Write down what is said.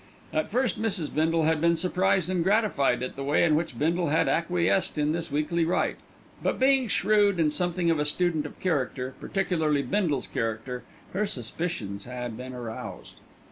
At first Mrs. Bindle had been surprised and gratified at the way in which Bindle had acquiesced in this weekly rite, but being shrewd and something of a student of character, particularly Bindle's character, her suspicions had been aroused.